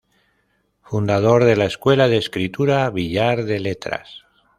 Fundador de la escuela de escritura Billar de letras.